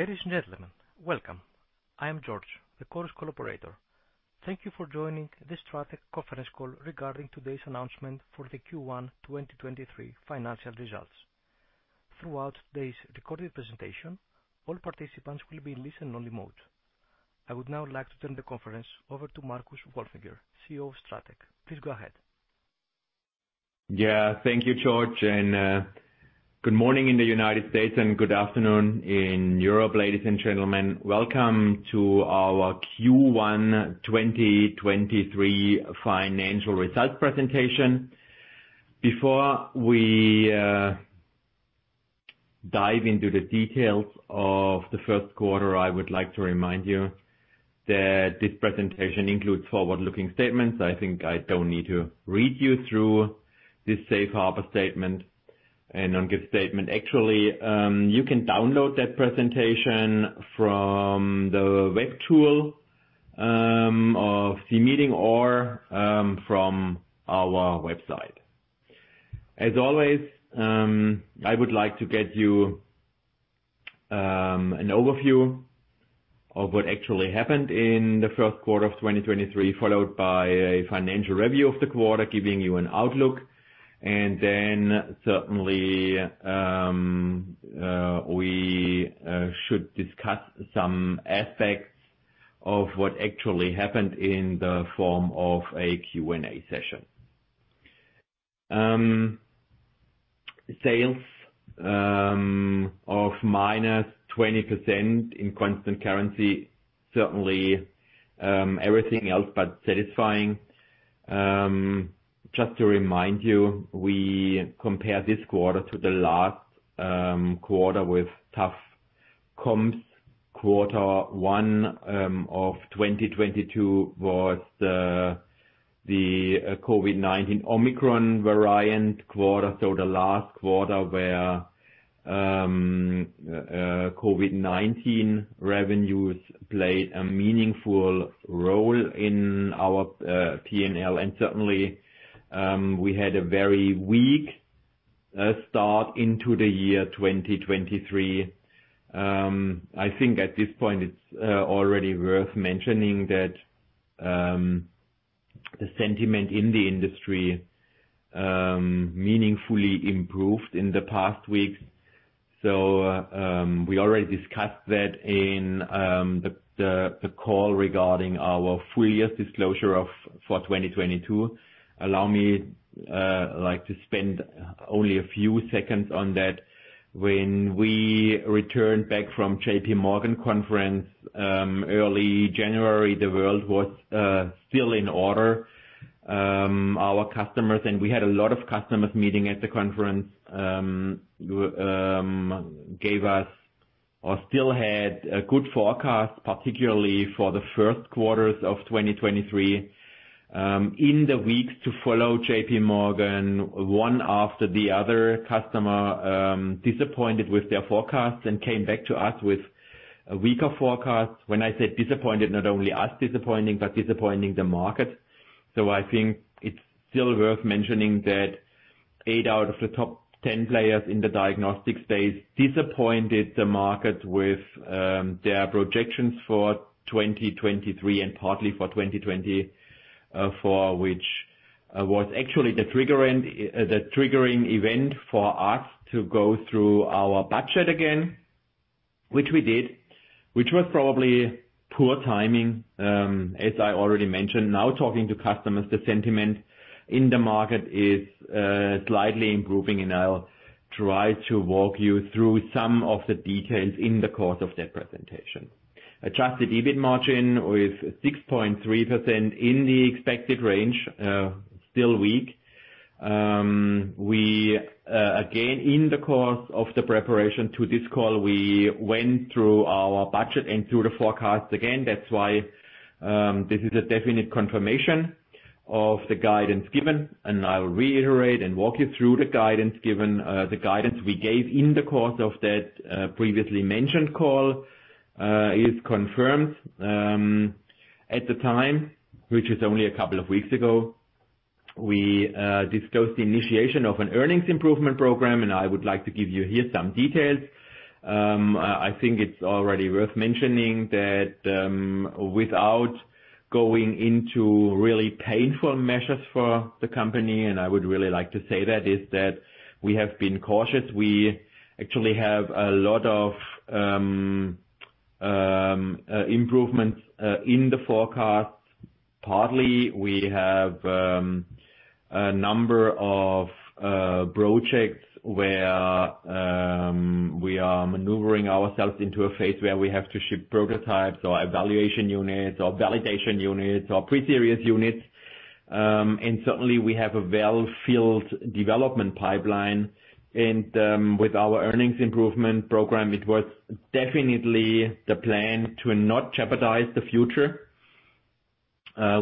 Ladies and gentlemen, welcome. I am George, the Chorus Call operator. Thank you for joining the STRATEC conference call regarding today's announcement for the Q1 2023 financial results. Throughout today's recorded presentation, all participants will be in listen only mode. I would now like to turn the conference over to Marcus Wolfinger, CEO of STRATEC. Please go ahead. Yeah, thank you, George. Good morning in the United States and good afternoon in Europe. Ladies and gentlemen, welcome to our Q1 2023 financial results presentation. Before we dive into the details of the Q1, I would like to remind you that this presentation includes forward-looking statements. I think I don't need to read you through this safe harbor statement and on give statement. Actually, you can download that presentation from the web tool of the meeting or from our website. As always, I would like to get you an overview of what actually happened in the Q1 of 2023, followed by a financial review of the quarter, giving you an outlook. Then certainly, we should discuss some aspects of what actually happened in the form of a Q&A session. Sales of minus 20% in constant currency, certainly everything else but satisfying. Just to remind you, we compare this quarter to the last quarter with tough comps. Q1 of 2022 was the COVID-19 Omicron variant quarter. The last quarter where COVID-19 revenues played a meaningful role in our PNL. Certainly, we had a very weak start into the year 2023. I think at this point it's already worth mentioning that the sentiment in the industry meaningfully improved in the past weeks. We already discussed that in the call regarding our full year disclosure for 2022. Allow me like to spend only a few seconds on that. When we returned back from JPMorgan conference early January, the world was still in order. Our customers, and we had a lot of customers meeting at the conference, gave us or still had a good forecast, particularly for the Q1 of 2023. In the weeks to follow JPMorgan, 1 after the other customer disappointed with their forecasts and came back to us with a weaker forecast. When I say disappointed, not only us disappointing, but disappointing the market. I think it's still worth mentioning that 8 out of the top 10 players in the diagnostics space disappointed the market with their projections for 2023 and partly for 2020, for which was actually the triggering event for us to go through our budget again, which we did, which was probably poor timing, as I already mentioned. Talking to customers, the sentiment in the market is slightly improving, and I'll try to walk you through some of the details in the course of that presentation. Adjusted EBIT margin with 6.3% in the expected range, still weak. We again, in the course of the preparation to this call, we went through our budget and through the forecast again. That's why this is a definite confirmation of the guidance given. I will reiterate and walk you through the guidance given. The guidance we gave in the course of that previously mentioned call is confirmed. At the time, which is only a couple of weeks ago, we disclosed the initiation of an earnings improvement program. I would like to give you here some details. I think it's already worth mentioning that without going into really painful measures for the company, and I would really like to say that, is that we have been cautious. We actually have a lot of improvements in the forecast. Partly we have a number of projects where we are maneuvering ourselves into a phase where we have to ship prototypes or evaluation units or validation units or pre-series units. Certainly we have a well-filled development pipeline. With our earnings improvement program, it was definitely the plan to not jeopardize the future.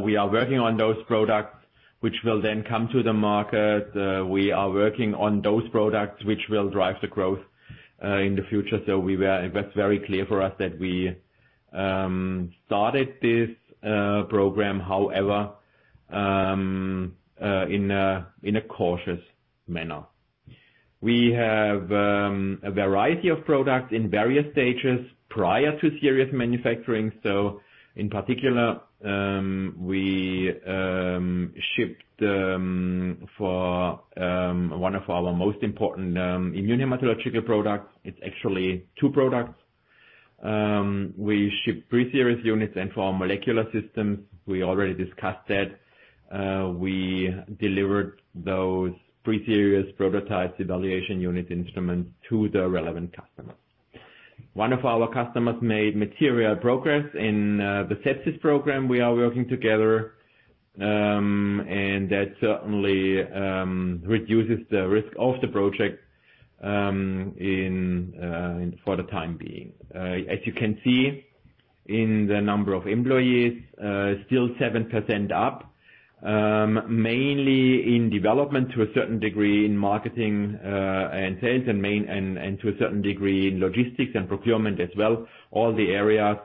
We are working on those products which will then come to the market. We are working on those products which will drive the growth in the future. It was very clear for us that we started this program. In a cautious manner. We have a variety of products in various stages prior to series manufacturing. In particular, we shipped for one of our most important immunomaterial products. It's actually 2 products. We ship pre-series units, and for our molecular systems, we already discussed that. We delivered those pre-series prototype evaluation unit instruments to the relevant customers. One of our customers made material progress in the sepsis program we are working together. That certainly reduces the risk of the project for the time being. As you can see in the number of employees, still 7% up, mainly in development to a certain degree in marketing and sales, and to a certain degree in logistics and procurement as well. All the areas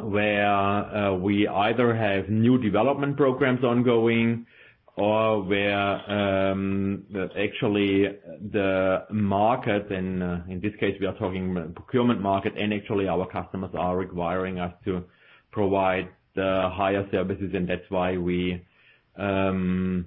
where we either have new development programs ongoing or where actually the market, and in this case we are talking procurement market, and actually our customers are requiring us to provide the higher services, and that's why we grew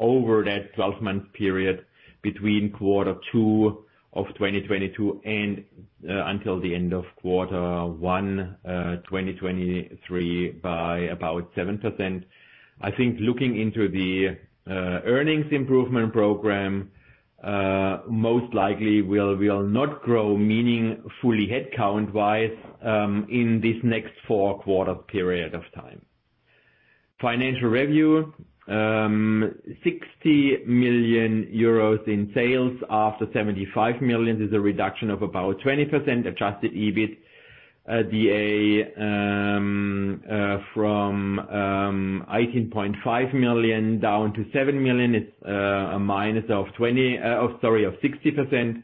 over that 12-month period between Q2 of 2022 and until the end of Q1, 2023 by about 7%. I think looking into the earnings improvement program, most likely we'll not grow meaningfully headcount-wise in this next 4-quarter period of time. Financial review, 60 million euros in sales after 75 million is a reduction of about 20%. Adjusted EBITDA from 18.5 million down to 7 million. It's a minus of 60%.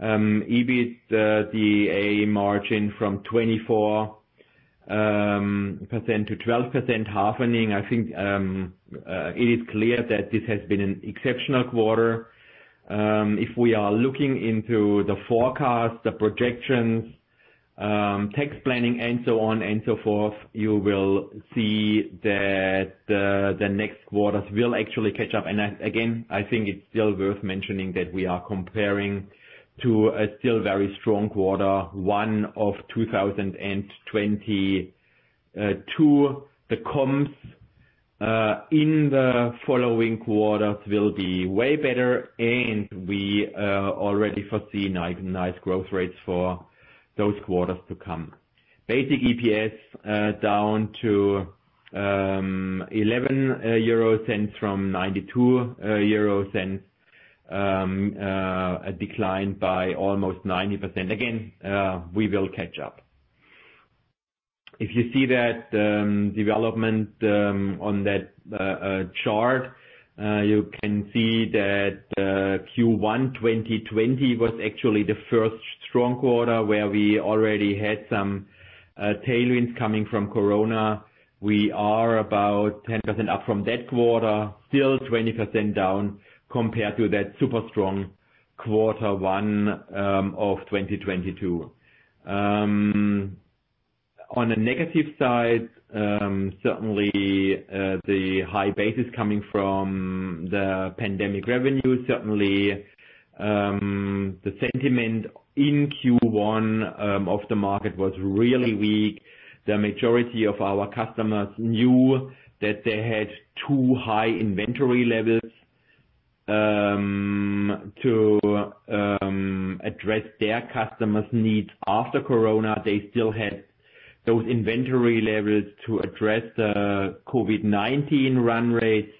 EBITDA margin from 24% to 12% halving. I think it is clear that this has been an exceptional quarter. If we are looking into the forecast, the projections, tax planning and so on and so forth, you will see that the next quarters will actually catch up. Again, I think it's still worth mentioning that we are comparing to a still very strong quarter, 1 of 2022. The comps in the following quarters will be way better, and we already foresee nice growth rates for those quarters to come. Basic EPS down to 0.11 from 0.92. A decline by almost 90%. Again, we will catch up. If you see that development on that chart, you can see that Q1 2020 was actually the 1st strong quarter, where we already had some tailwinds coming from Corona. We are about 10% up from that quarter, still 20% down compared to that super strong Q1 of 2022. On a negative side, certainly, the high basis coming from the pandemic revenue. Certainly, the sentiment in Q1 of the market was really weak. The majority of our customers knew that they had too high inventory levels to address their customers' needs. After Corona, they still had those inventory levels to address the COVID-19 run rates.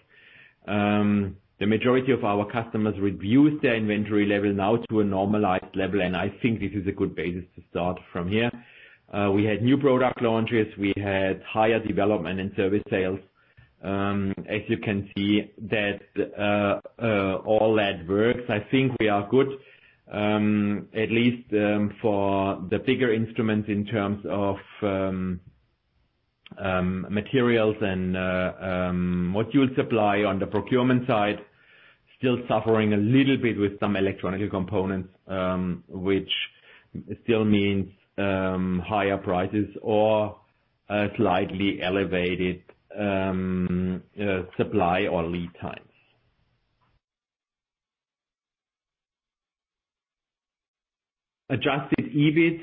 The majority of our customers reduced their inventory level now to a normalized level, I think this is a good basis to start from here. We had new product launches. We had higher development and service sales. As you can see that, all that works. I think we are good, at least, for the bigger instruments in terms of materials and module supply on the procurement side. Still suffering a little bit with some electronic components, which still means higher prices or a slightly elevated supply or lead times. Adjusted EBIT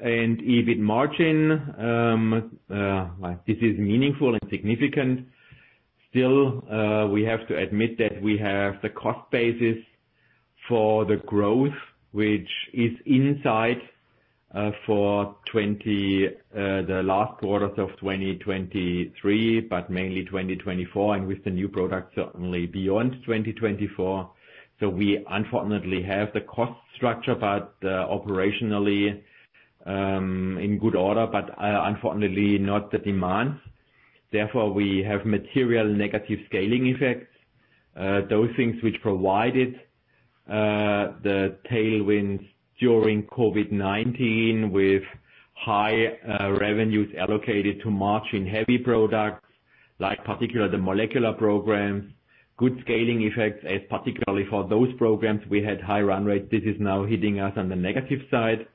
and EBIT margin, like this is meaningful and significant. Still, we have to admit that we have the cost basis for the growth, which is in sight, for the last quarters of 2023, but mainly 2024, and with the new product, certainly beyond 2024. We unfortunately have the cost structure, but operationally, in good order, but unfortunately not the demand. We have material negative scaling effects, those things which provided the tailwinds during COVID-19 with high revenues allocated to margin-heavy products, like particular the molecular programs, good scaling effects, as particularly for those programs, we had high run rates. This is now hitting us on the negative side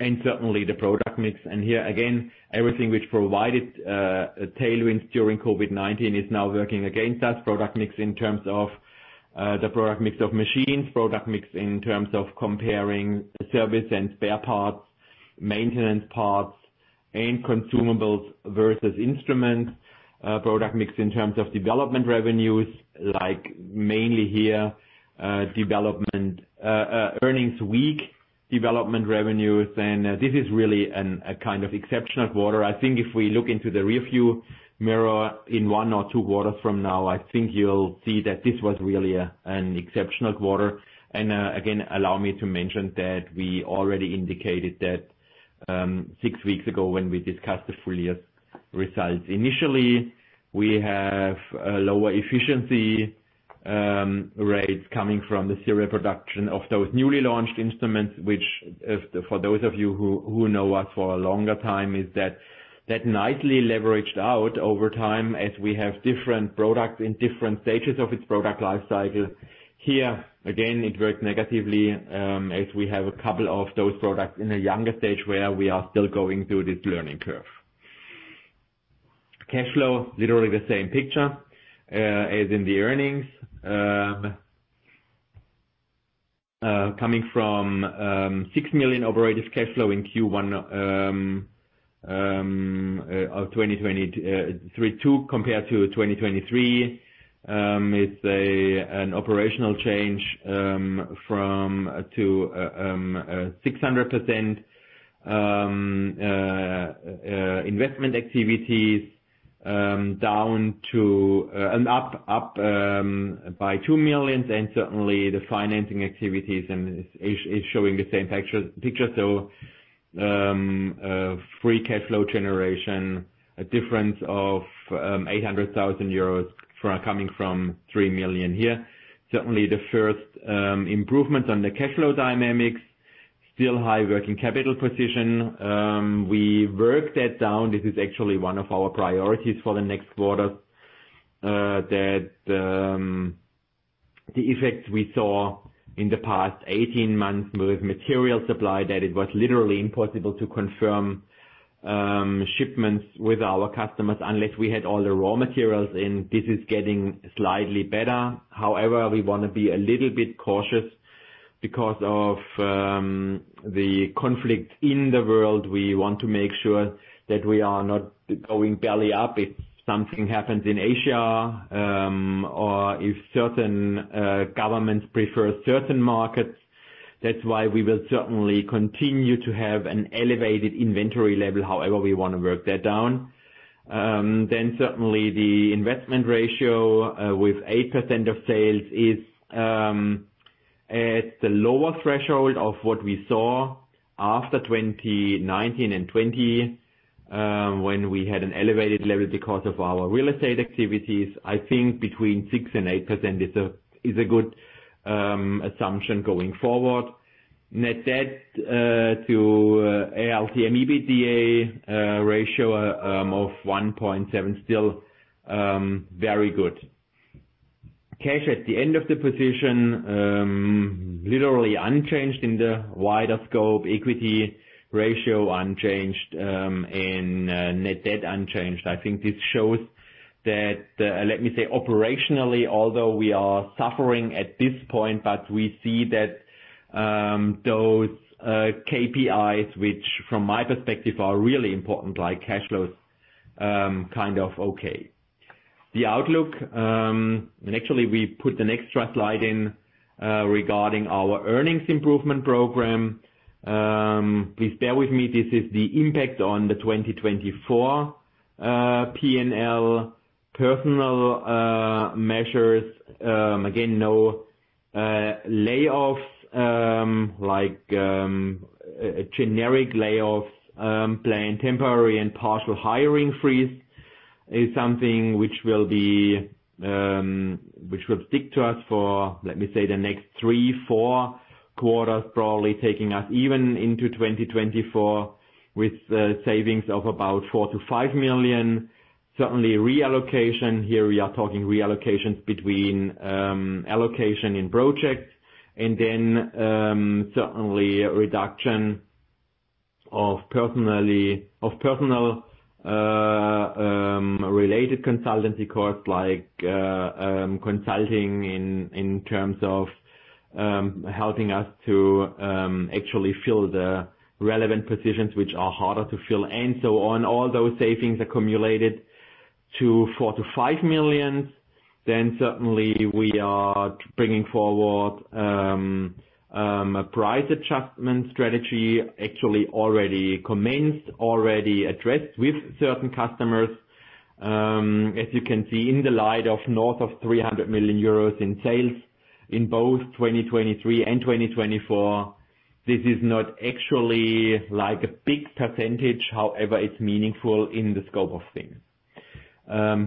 and certainly the product mix. Here again, everything which provided a tailwind during COVID-19 is now working against us. Product mix in terms of the product mix of machines, product mix in terms of comparing service and spare parts, maintenance parts, and consumables versus instruments. Product mix in terms of development revenues, like mainly here, earnings week development revenues. This is really a kind of exceptional quarter. I think if we look into the rearview mirror in 1 or 2 quarters from now, I think you'll see that this was really an exceptional quarter. Again, allow me to mention that we already indicated that 6 weeks ago when we discussed the full year results. Initially, we have a lower efficiency rates coming from the serial production of those newly launched instruments, which for those of you who know us for a longer time, is that nicely leveraged out over time as we have different products in different stages of its product life cycle. Here, again, it works negatively as we have a couple of those products in a younger stage where we are still going through this learning curve. Cash flow, literally the same picture as in the earnings. Coming from 6 million operative cash flow in Q1 of 2022 compared to 2023, is an operational change to 600% investment activities down to and up by 2 million. Certainly the financing activities is showing the same picture. Free cash flow generation, a difference of 800,000 euros coming from 3 million here. Certainly the 1st improvement on the cash flow dynamics. Still high working capital position. We worked that down. This is actually one of our priorities for the next quarter that the effects we saw in the past 18 months with material supply, that it was literally impossible to confirm shipments with our customers unless we had all the raw materials in. This is getting slightly better. However, we want to be a little bit cautious because of the conflict in the world. We want to make sure that we are not going belly up if something happens in Asia or if certain governments prefer certain markets. That's why we will certainly continue to have an elevated inventory level. We wanna work that down. Certainly the investment ratio with 8% of sales is at the lower threshold of what we saw after 2019 and 2020 when we had an elevated level because of our real estate activities. I think between 6% and 8% is a good assumption going forward. Net debt to LTM EBITDA ratio of 1.7, still very good. Cash at the end of the position, literally unchanged in the wider scope, equity ratio unchanged, net debt unchanged. I think this shows that, let me say operationally, although we are suffering at this point, but we see that those KPIs, which from my perspective are really important, like cash flows, kind of okay. The outlook, and actually we put an extra slide in regarding our earnings improvement program. Please bear with me. This is the impact on the 2024 P&L personal measures. Again, no layoffs, like generic layoffs, planned temporary and partial hiring freeze is something which will be which will stick to us for, let me say, the next 3, 4 quarters, probably taking us even into 2024 with savings of about 4 million-5 million. Certainly reallocation. Here we are talking reallocations between allocation in projects and then certainly a reduction of personal related consultancy costs like consulting in terms of helping us to actually fill the relevant positions which are harder to fill and so on. All those savings accumulated to 4 million-5 million. Certainly we are bringing forward a price adjustment strategy actually already commenced, already addressed with certain customers. As you can see in the light of north of 300 million euros in sales in both 2023 and 2024. This is not actually like a big %, however, it's meaningful in the scope of things.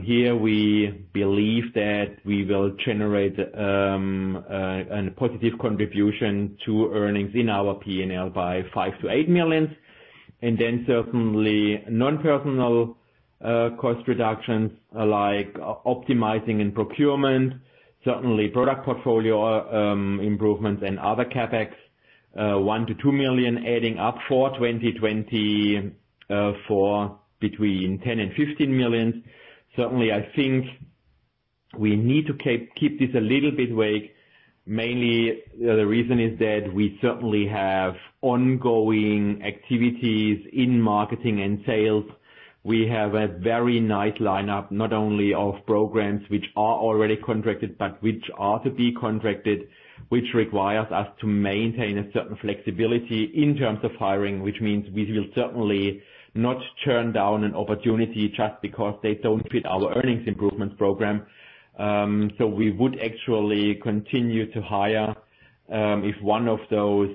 Here we believe that we will generate a positive contribution to earnings in our P&L by 5 million-8 million. Certainly non-personal cost reductions like optimizing in procurement, certainly product portfolio improvements and other CapEx 1 million-2 million adding up for 2020 for between 10 million and 15 million. Certainly, I think we need to keep this a little bit awake. Mainly, the reason is that we certainly have ongoing activities in marketing and sales. We have a very nice lineup, not only of programs which are already contracted, but which are to be contracted, which requires us to maintain a certain flexibility in terms of hiring, which means we will certainly not turn down an opportunity just because they don't fit our earnings improvement program. We would actually continue to hire if one of those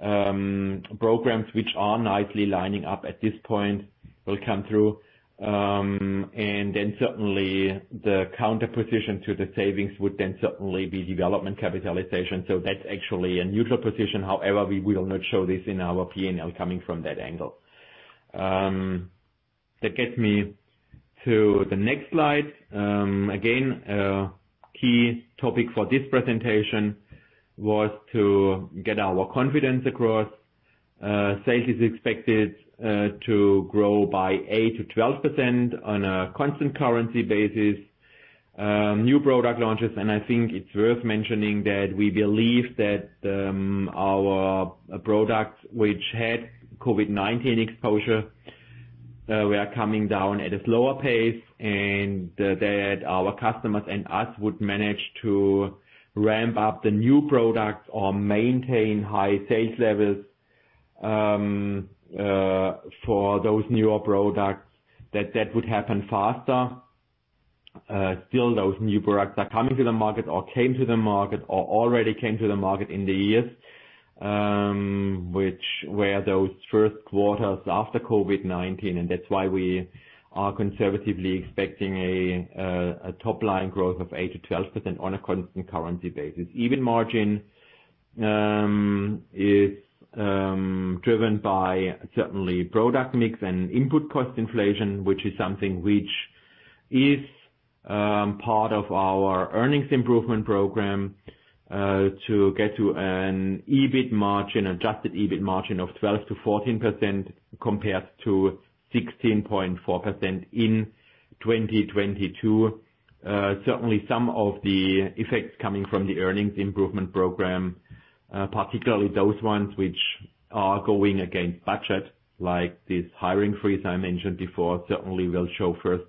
programs which are nicely lining up at this point will come through. Certainly the counter position to the savings would then certainly be development capitalization. That's actually a neutral position. However, we will not show this in our P&L coming from that angle. That gets me to the next slide. Again, a key topic for this presentation was to get our confidence across. Sales is expected to grow by 8%-12% on a constant currency basis. New product launches, I think it's worth mentioning that we believe that our products which had COVID-19 exposure were coming down at a slower pace, and that our customers and us would manage to ramp up the new products or maintain high sales levels for those newer products, that would happen faster. Still those new products are coming to the market, or came to the market, or already came to the market in the years, which were those Q1 after COVID-19. That's why we are conservatively expecting a top line growth of 8%-12% on a constant currency basis. Even margin is driven by certainly product mix and input cost inflation, which is something which is part of our earnings improvement program to get to an EBIT margin, adjusted EBIT margin of 12%-14% compared to 16.4% in 2022. Certainly some of the effects coming from the earnings improvement program, particularly those ones which are going against budget, like this hiring freeze I mentioned before, certainly will show 1st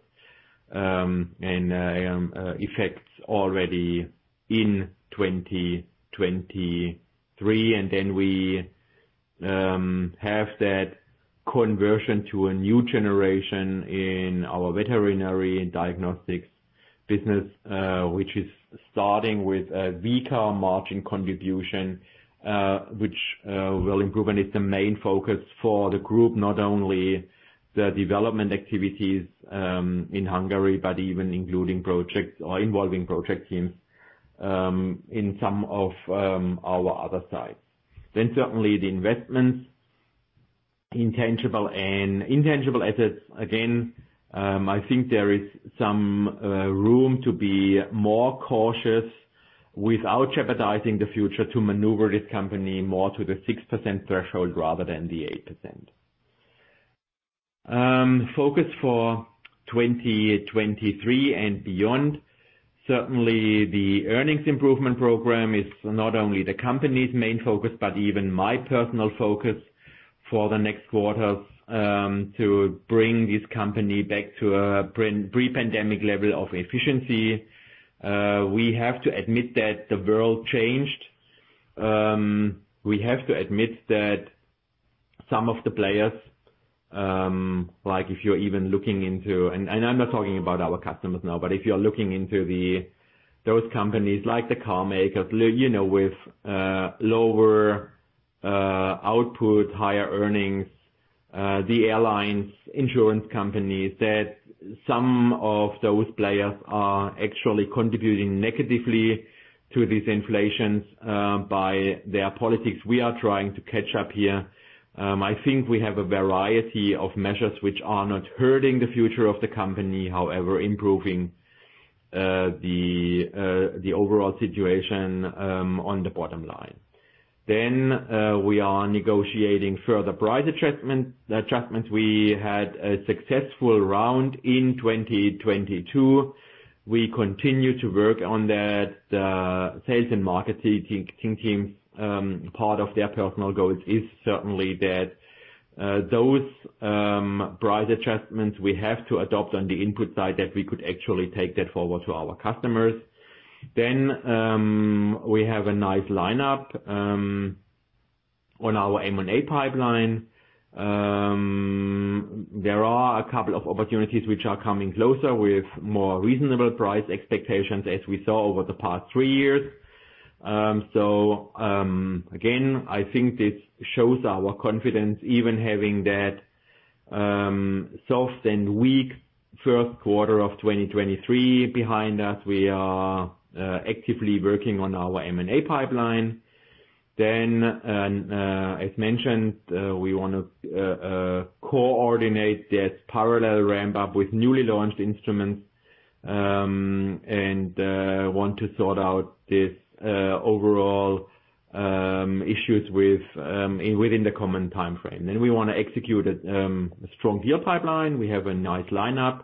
and effects already in 2023. We have that conversion to a new generation in our veterinary and diagnostics business, which is starting with a weaker margin contribution, which will improve. It's the main focus for the group, not only the development activities in Hungary, but even including projects or involving project teams in some of our other sites. Certainly the investments, intangible assets, again, I think there is some room to be more cautious without jeopardizing the future to maneuver this company more to the 6% threshold rather than the 8%. Focus for 2023 and beyond. Certainly, the earnings improvement program is not only the company's main focus, but even my personal focus for the next quarters to bring this company back to a pre-pandemic level of efficiency. We have to admit that the world changed. We have to admit that some of the players, like if you're even looking into and I'm not talking about our customers now, but if you're looking into those companies like the car makers, you know, with lower output, higher earnings, the airlines, insurance companies, that some of those players are actually contributing negatively to this inflation by their politics. We are trying to catch up here. I think we have a variety of measures which are not hurting the future of the company, however, improving the overall situation on the bottom line. We are negotiating further price adjustments. We had a successful round in 2022. We continue to work on that. Sales and marketing team, part of their personal goals is certainly that those price adjustments we have to adopt on the input side, that we could actually take that forward to our customers. We have a nice lineup on our M&A pipeline. There are a couple of opportunities which are coming closer with more reasonable price expectations as we saw over the past 3 years. Again, I think this shows our confidence even having that soft and weak Q3 of 2023 behind us. We are actively working on our M&A pipeline. As mentioned, we want to coordinate that parallel ramp up with newly launched instruments, and want to sort out this overall issues with within the common time frame. We want to execute a strong deal pipeline. We have a nice lineup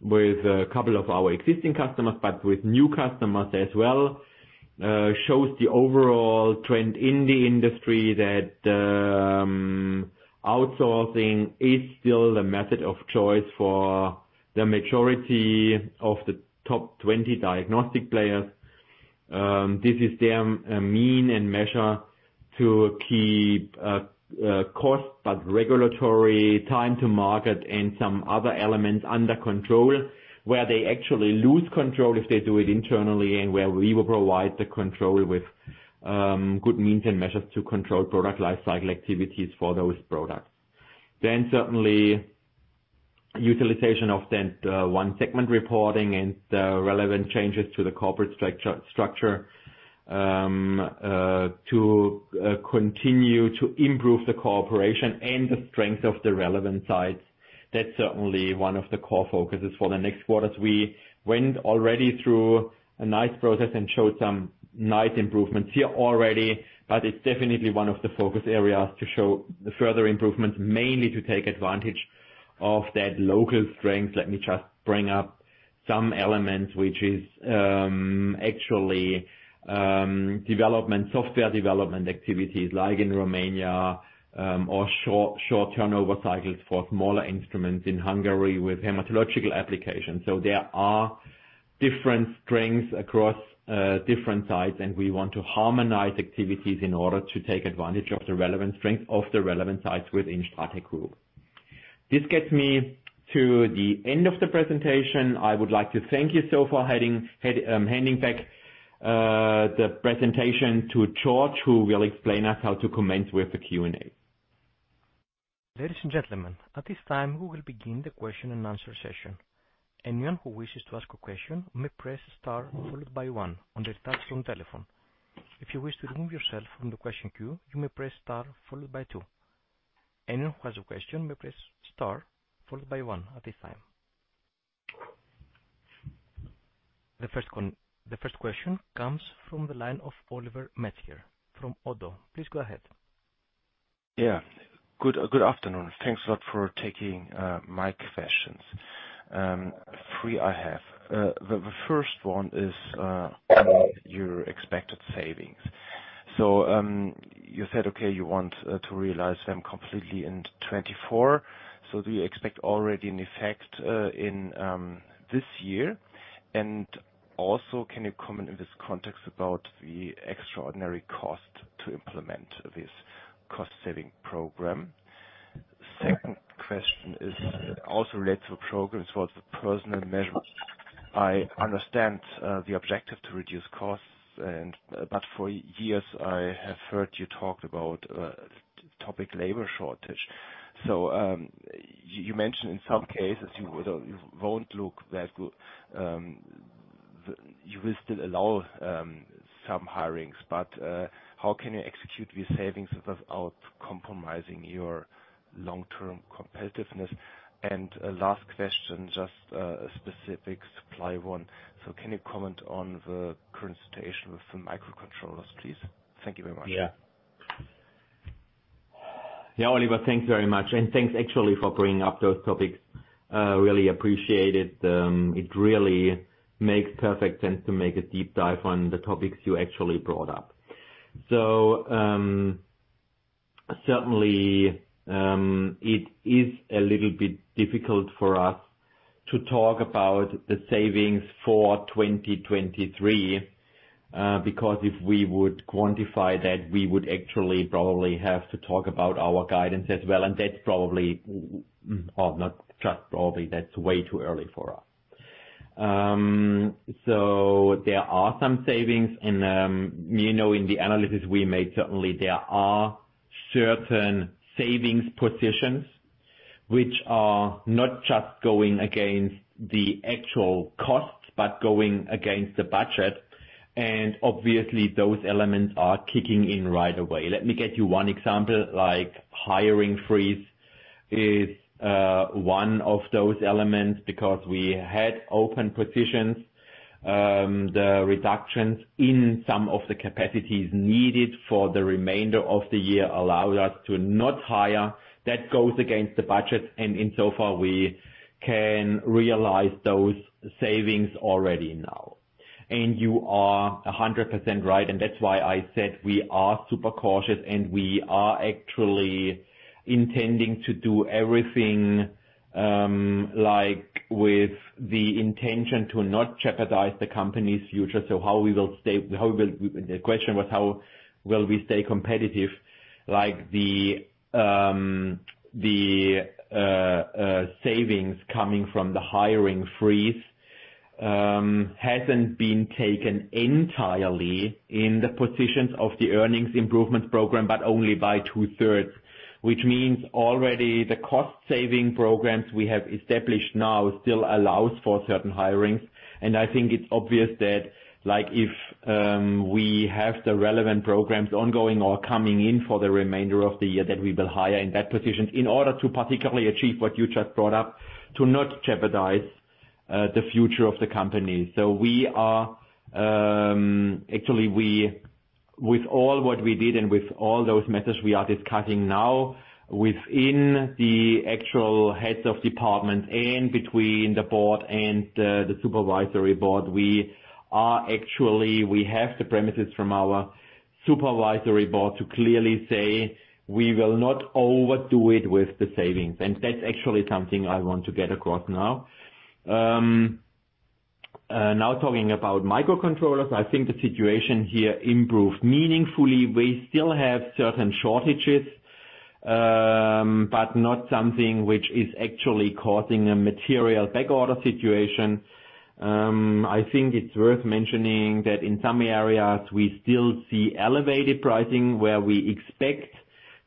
with a couple of our existing customers, but with new customers as well. shows the overall trend in the industry that outsourcing is still the method of choice for the majority of the top 20 diagnostic players. This is their mean and measure to keep costs, but regulatory time to market and some other elements under control, where they actually lose control if they do it internally and where we will provide the control with good means and measures to control product lifecycle activities for those products. Certainly utilization of that 1 segment reporting and the relevant changes to the corporate structure to continue to improve the cooperation and the strength of the relevant sites. That's certainly one of the core focuses for the next quarters. We went already through a nice process and showed some nice improvements here already. It's definitely one of the focus areas to show the further improvements, mainly to take advantage of that local strength. Let me just bring up some elements, which is actually development, software development activities like in Romania, or short turnover cycles for smaller instruments in Hungary with hematological applications. There are different strengths across different sites, and we want to harmonize activities in order to take advantage of the relevant strength of the relevant sites within STRATEC Group. This gets me to the end of the presentation. I would like to thank you. For handing back the presentation to George, who will explain us how to commence with the Q&A. Ladies and gentlemen, at this time, we will begin the question and answer session. Anyone who wishes to ask a question may press * followed by 1 on their touch-tone telephone. If you wish to remove yourself from the question queue, you may press * followed by 2. Anyone who has a question may press * followed by 1 at this time. The 1st question comes from the line of Oliver Metzger from ODDO. Please go ahead. Good afternoon. Thanks a lot for taking my questions. 3 I have. The first one is your expected savings. You said, okay, you want to realize them completely in 2024. Do you expect already an effect in this year? Can you comment in this context about the extraordinary cost to implement this cost-saving program? 2nd question is also related to programs. What's the personnel measures? I understand the objective to reduce costs for years I have heard you talk about topic labor shortage. You mentioned in some cases you would, you won't look that good. You will still allow some hirings, how can you execute these savings without compromising your long-term competitiveness? Last question, just a specific supply one. Can you comment on the current situation with the microcontrollers, please? Thank you very much. Oliver, thanks very much. Thanks actually for bringing up those topics, really appreciate it. It really makes perfect sense to make a deep dive on the topics you actually brought up. Certainly, it is a little bit difficult for us to talk about the savings for 2023, because if we would quantify that, we would actually probably have to talk about our guidance as well, that's probably, or not just probably, that's way too early for us. There are some savings and, you know, in the analysis we made, certainly there are certain savings positions which are not just going against the actual costs, but going against the budget. Obviously those elements are kicking in right away. Let me get you 1 example, like hiring freeze is one of those elements because we had open positions. The reductions in some of the capacities needed for the remainder of the year allowed us to not hire. That goes against the budget, insofar we can realize those savings already now. You are 100% right, that's why I said we are super cautious, we are actually intending to do everything, like with the intention to not jeopardize the company's future. The question was how will we stay competitive? Like the savings coming from the hiring freeze hasn't been taken entirely in the positions of the earnings improvement program, but only by 2/3, which means already the cost saving programs we have established now still allows for certain hirings. I think it's obvious that, like, if we have the relevant programs ongoing or coming in for the remainder of the year, that we will hire in that position in order to particularly achieve what you just brought up, to not jeopardize the future of the company. We are actually, with all what we did and with all those methods we are discussing now within the actual heads of departments and between the board and the supervisory board, we actually have the premises from our supervisory board to clearly say, we will not overdo it with the savings. That's actually something I want to get across now. Now talking about microcontrollers. I think the situation here improved meaningfully. We still have certain shortages, but not something which is actually causing a material backorder situation. I think it's worth mentioning that in some areas we still see elevated pricing where we expect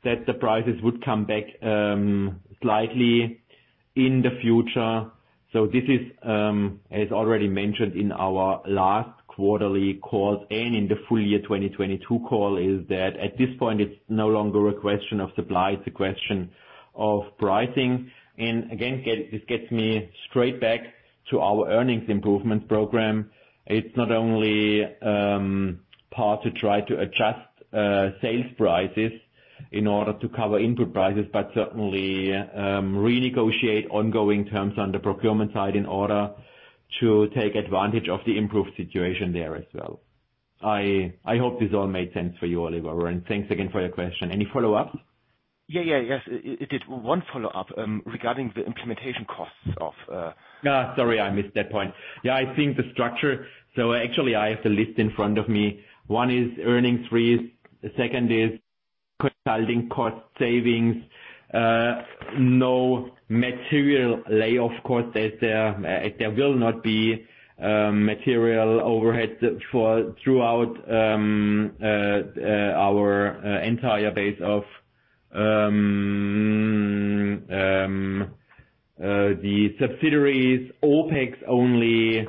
that the prices would come back slightly in the future. This is, as already mentioned in our last quarterly calls and in the full year 2022 call, is that at this point, it's no longer a question of supply, it's a question of pricing. Again, this gets me straight back to our earnings improvement program. It's not only part to try to adjust sales prices in order to cover input prices, certainly, renegotiate ongoing terms on the procurement side in order to take advantage of the improved situation there as well. I hope this all made sense for you, Oliver, and thanks again for your question. Any follow-up? Yeah, yeah. Yes, it did. 1 follow-up, regarding the implementation costs of. Sorry, I missed that point. Yeah, I think the structure. Actually I have the list in front of me. 1 is earnings freeze, the 2nd is consulting cost savings. No material layoff cost. There will not be material overheads for throughout our entire base of the subsidiaries. OpEx only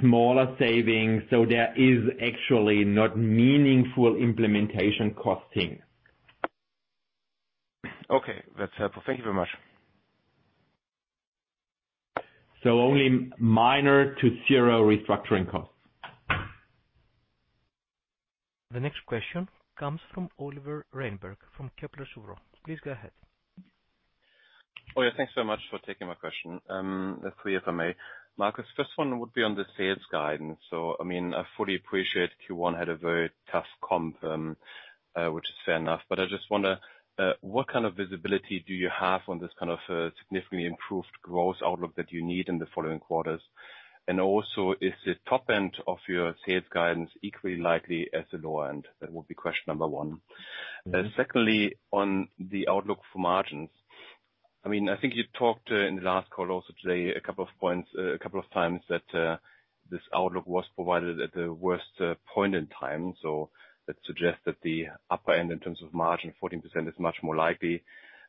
smaller savings, so there is actually not meaningful implementation costing. Okay, that's helpful. Thank you very much. Only minor to 0 restructuring costs. The next question comes from Oliver Reinberg, from Kepler Cheuvreux. Please go ahead. Yeah. Thanks so much for taking my question. 3 if I may. Marcus, first one would be on the sales guidance. I mean, I fully appreciate Q1 had a very tough comp, which is fair enough, but I just wonder what kind of visibility do you have on this kind of significantly improved growth outlook that you need in the following quarters? Also, is the top end of your sales guidance equally likely as the lower end? That would be question number 1. Secondly, on the outlook for margins. I mean, I think you talked in the last call also today a couple of points, a couple of times that this outlook was provided at the worst point in time. That suggests that the upper end in terms of margin, 14% is much more likely.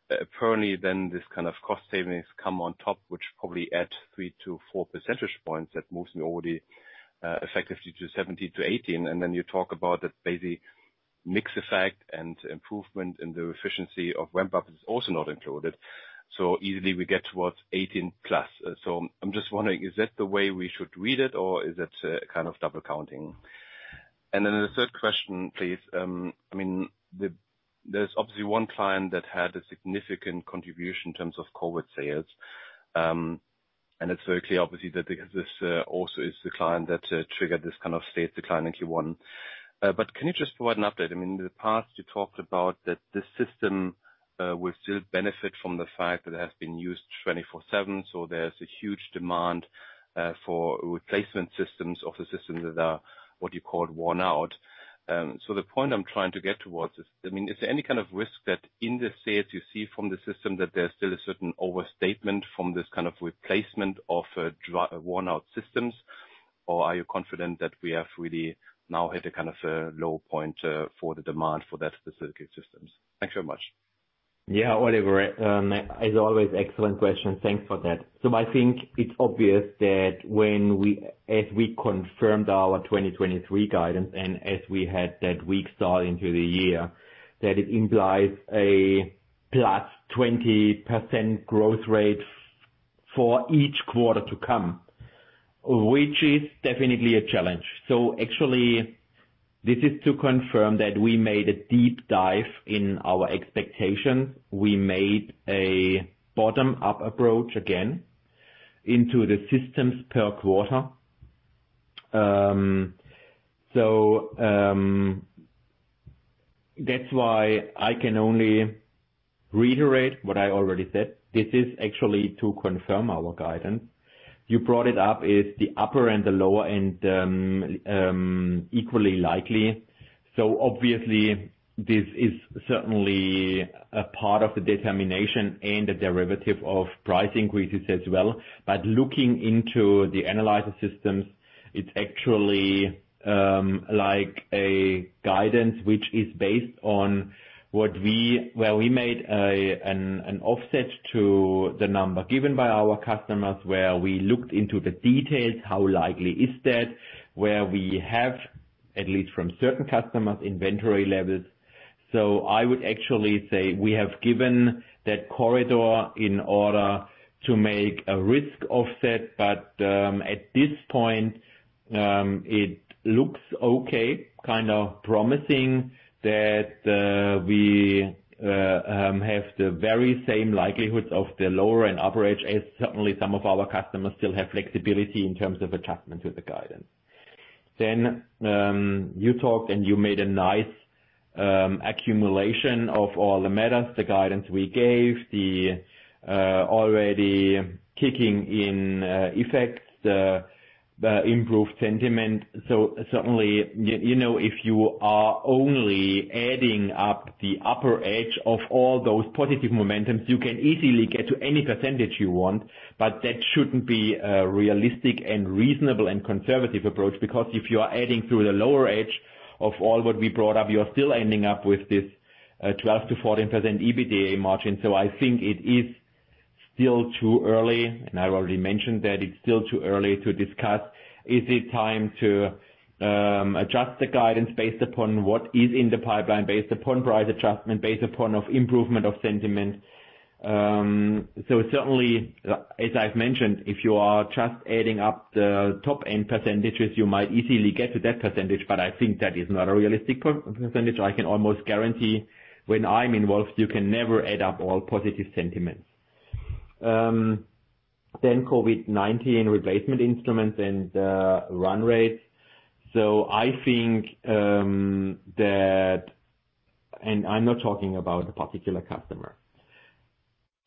Apparently then this kind of cost savings come on top, which probably add 3-4 percentage points. That moves me already, effectively to 17-18. You talk about that basically mix effect and improvement in the efficiency of ramp-up is also not included. Easily we get towards 18+. I'm just wondering, is that the way we should read it or is that kind of double counting? The 3rd question, please. I mean, the, there's obviously 1 client that had a significant contribution in terms of COVID sales. It's very clear obviously that because this also is the client that triggered this kind of sales decline in Q1. Can you just provide an update? I mean, in the past you talked about that this system will still benefit from the fact that it has been used 24/7. There's a huge demand for replacement systems of the systems that are what you call worn out. The point I'm trying to get towards is, I mean, is there any kind of risk that in the sales you see from the system that there's still a certain overstatement from this kind of replacement of worn out systems, or are you confident that we have really now hit a kind of a low point for the demand for that specific systems? Thanks very much. Yeah. Oliver, as always, excellent question. Thanks for that. I think it's obvious that as we confirmed our 2023 guidance and as we had that weak start into the year, that it implies a +20% growth rate for each quarter to come, which is definitely a challenge. Actually this is to confirm that we made a deep dive in our expectations. We made a bottom-up approach again into the systems per quarter. That's why I can only reiterate what I already said. This is actually to confirm our guidance. You brought it up, is the upper and the lower end equally likely. Obviously this is certainly a part of the determination and a derivative of price increases as well. Looking into the analyzer systems, it's actually like a guidance which is based on where we made an offset to the number given by our customers, where we looked into the details, how likely is that, where we have, at least from certain customers, inventory levels. I would actually say we have given that corridor in order to make a risk offset. At this point, it looks okay, kind of promising that we have the very same likelihoods of the lower and upper edge, as certainly some of our customers still have flexibility in terms of adjustment to the guidance. You talked and you made a nice accumulation of all the matters, the guidance we gave, the already kicking in effects, the improved sentiment. Certainly, you know, if you are only adding up the upper edge of all those positive momentums, you can easily get to any % you want, but that shouldn't be a realistic and reasonable and conservative approach. If you are adding through the lower edge of all what we brought up, you are still ending up with this, 12%-14% EBITDA margin. I think it is still too early, and I already mentioned that it's still too early to discuss, is it time to adjust the guidance based upon what is in the pipeline, based upon price adjustment, based upon of improvement of sentiment. Certainly, as I've mentioned, if you are just adding up the top-end %, you might easily get to that %, but I think that is not a realistic percentage. I can almost guarantee when I'm involved, you can never add up all positive sentiments. COVID-19 replacement instruments and run rates. I think I'm not talking about a particular customer.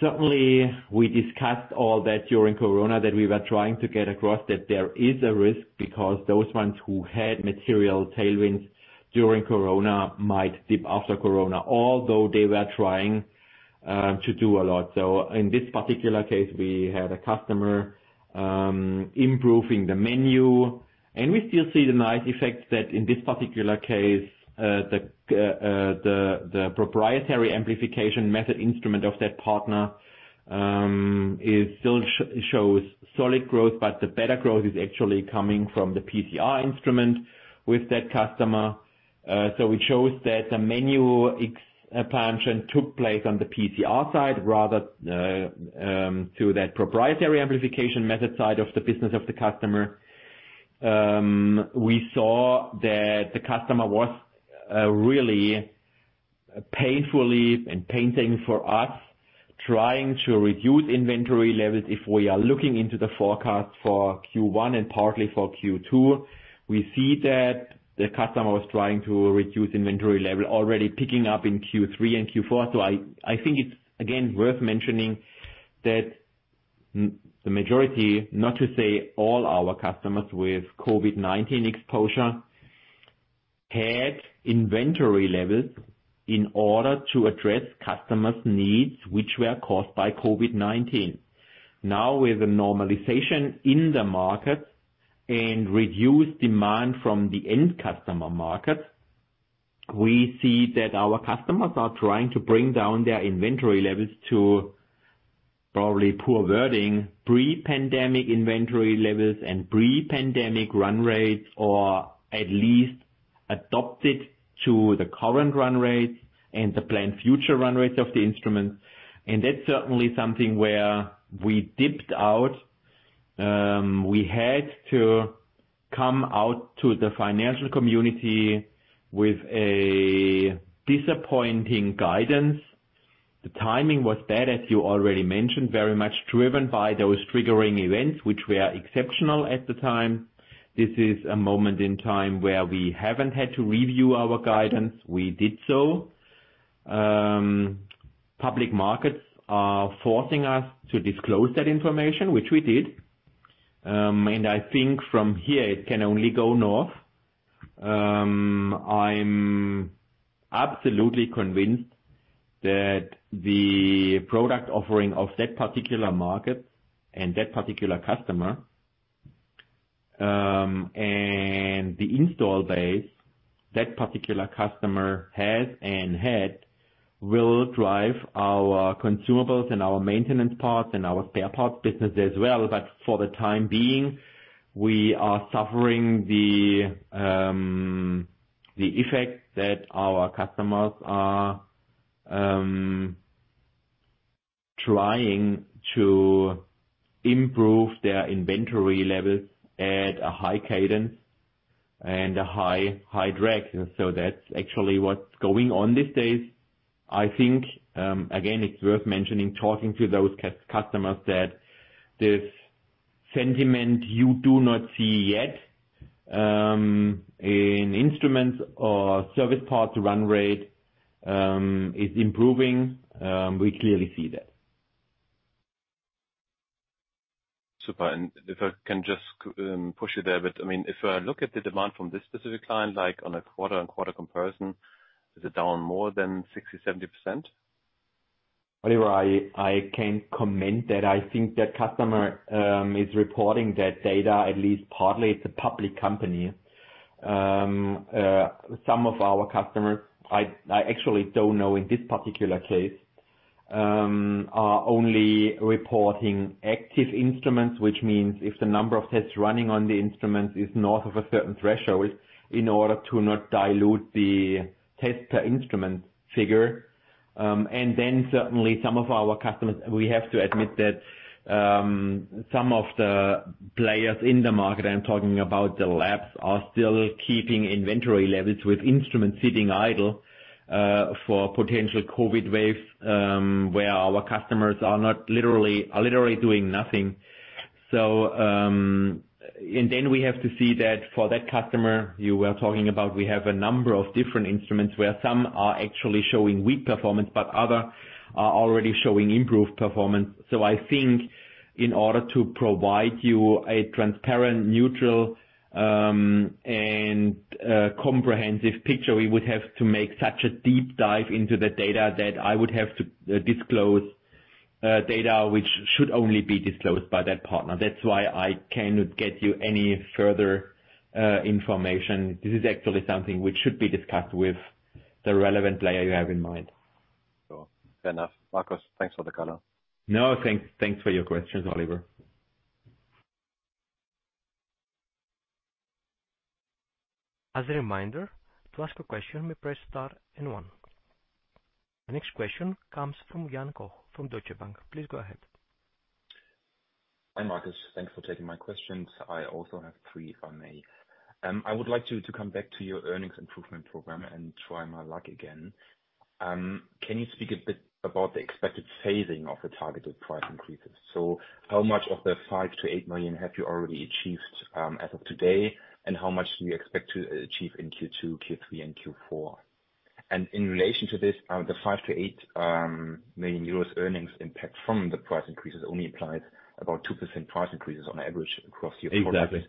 Certainly, we discussed all that during Corona, that we were trying to get across that there is a risk because those ones who had material tailwinds during Corona might dip after Corona, although they were trying to do a lot. In this particular case, we had a customer improving the menu, and we still see the nice effects that in this particular case, the proprietary amplification method instrument of that partner, it still shows solid growth, but the better growth is actually coming from the PCR instrument with that customer. It shows that the menu expansion took place on the PCR side rather to that proprietary amplification method side of the business of the customer. We saw that the customer was really painfully and painting for us, trying to reduce inventory levels. If we are looking into the forecast for Q1 and partly for Q2, we see that the customer was trying to reduce inventory level, already picking up in Q3 and Q4. I think it's again, worth mentioning that the majority, not to say all our customers with COVID-19 exposure, had inventory levels in order to address customers' needs, which were caused by COVID-19. Now, with the normalization in the market and reduced demand from the end customer market, we see that our customers are trying to bring down their inventory levels to, probably poor wording, pre-pandemic inventory levels and pre-pandemic run rates, or at least adopt it to the current run rates and the planned future run rates of the instruments. That's certainly something where we dipped out. We had to come out to the financial community with a disappointing guidance. The timing was bad, as you already mentioned, very much driven by those triggering events, which were exceptional at the time. This is a moment in time where we haven't had to review our guidance. We did so. Public markets are forcing us to disclose that information, which we did. I think from here it can only go north. I'm absolutely convinced that the product offering of that particular market and that particular customer, and the install base that particular customer has and had, will drive our consumables and our maintenance parts and our spare parts business as well. For the time being, we are suffering the effect that our customers are trying to improve their inventory levels at a high cadence and a high, high drag. That's actually what's going on these days. I think, again, it's worth mentioning, talking to those customers, that Sentiment you do not see yet, in instruments or service parts run rate, is improving. We clearly see that. Super. If I can just push you there a bit. I mean, if I look at the demand from this specific client, like on a quarter-on-quarter comparison, is it down more than 60%, 70%? Oliver, I can comment that I think that customer is reporting that data, at least partly. It's a public company. Some of our customers, I actually don't know in this particular case, are only reporting active instruments, which means if the number of tests running on the instruments is north of a certain threshold in order to not dilute the test per instrument figure. Certainly some of our customers, we have to admit that some of the players in the market, I'm talking about the labs, are still keeping inventory levels with instruments sitting idle for potential COVID waves, where our customers are literally doing nothing. We have to see that for that customer you were talking about, we have a number of different instruments, where some are actually showing weak performance, but other are already showing improved performance. I think in order to provide you a transparent, neutral, and comprehensive picture, we would have to make such a deep dive into the data that I would have to disclose data which should only be disclosed by that partner. That's why I cannot get you any further information. This is actually something which should be discussed with the relevant player you have in mind. Fair enough. Marcus, thanks for the call. No, thanks for your questions, Oliver. As a reminder, to ask a question, may press * then 1. The next question comes from Jan Koch from Deutsche Bank. Please go ahead. Hi, Marcus. Thanks for taking my questions. I also have 3, if I may. I would like to come back to your earnings improvement program and try my luck again. Can you speak a bit about the expected phasing of the targeted price increases? How much of the 5-8 million have you already achieved as of today, and how much do you expect to achieve in Q2, Q3 and Q4? In relation to this, the 5-8 million euros earnings impact from the price increases only applies about 2% price increases on average across your- Exactly.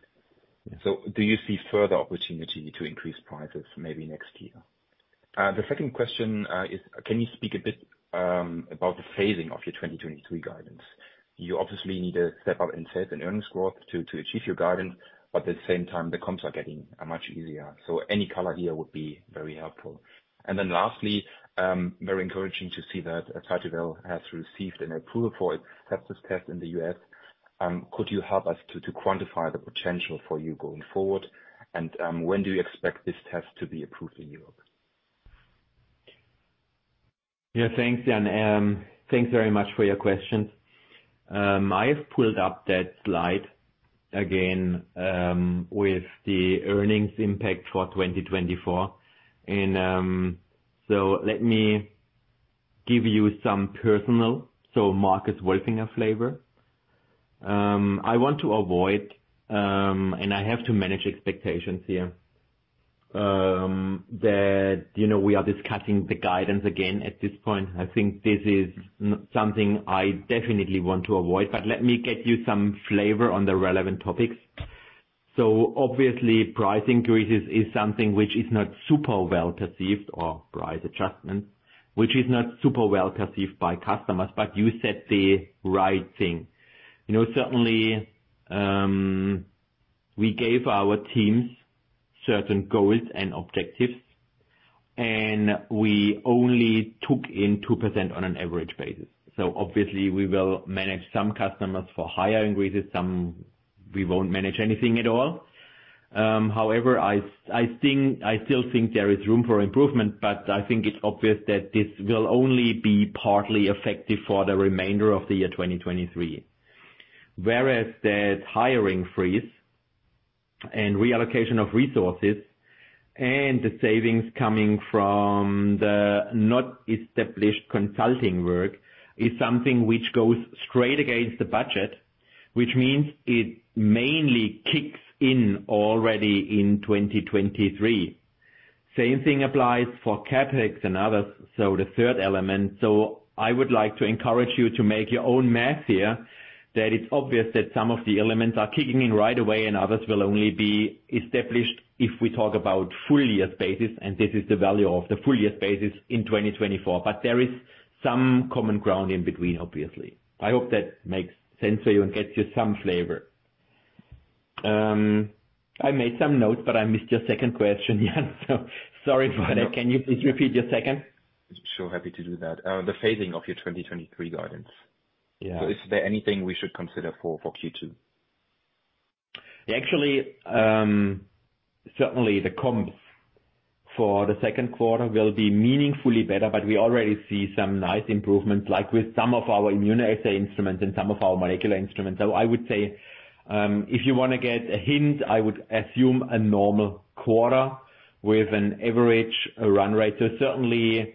Do you see further opportunity to increase prices maybe next year? The 2nd question is can you speak a bit about the phasing of your 2023 guidance? You obviously need a step up in sales and earnings growth to achieve your guidance, but at the same time, the comps are getting much easier. Any color here would be very helpful. Lastly, very encouraging to see that Talis has received an approval for its hepatitis test in the US. Could you help us to quantify the potential for you going forward? When do you expect this test to be approved in Europe? Yeah. Thanks, Jan. Thanks very much for your questions. I've pulled up that slide again, with the earnings impact for 2024. Let me give you some personal, Marcus Wolfinger flavor. I want to avoid, I have to manage expectations here, that, you know, we are discussing the guidance again at this point. I think this is something I definitely want to avoid. Let me get you some flavor on the relevant topics. Obviously price increases is something which is not super well perceived or price adjustments, which is not super well perceived by customers. You said the right thing. You know, certainly, we gave our teams certain goals and objectives, and we only took in 2% on an average basis. Obviously we will manage some customers for higher increases. Some we won't manage anything at all. However, I still think there is room for improvement, but I think it's obvious that this will only be partly effective for the remainder of the year 2023. That hiring freeze and reallocation of resources and the savings coming from the not established consulting work is something which goes straight against the budget, which means it mainly kicks in already in 2023. Same thing applies for CapEx and others, so the 3rd element. I would like to encourage you to make your own math here, that it's obvious that some of the elements are kicking in right away and others will only be established if we talk about full year basis, and this is the value of the full year basis in 2024. There is some common ground in between, obviously. I hope that makes sense for you and gets you some flavor. I made some notes, but I missed your 2nd question, Jan, so sorry about that. Can you please repeat your 2nd? Sure. Happy to do that. The phasing of your 2023 guidance. Yeah. Is there anything we should consider for Q2? Actually, certainly the comps for the Q2 will be meaningfully better, but we already see some nice improvements, like with some of our immunoassay instruments and some of our molecular instruments. I would say, if you wanna get a hint, I would assume a normal quarter with an average run rate. Certainly,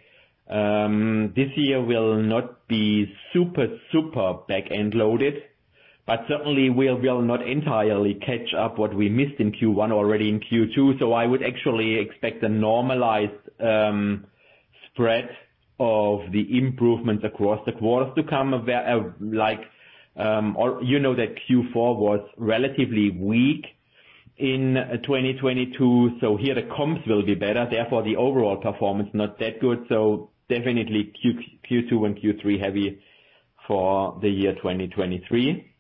this year will not be super back-end loaded, but certainly we will not entirely catch up what we missed in Q1 already in Q2. I would actually expect a normalized spread of the improvements across the quarters to come. Where, like, or you know that Q4 was relatively weak in 2022, here the comps will be better. Therefore, the overall performance not that good. Definitely Q2 and Q3 heavy for the year 2023.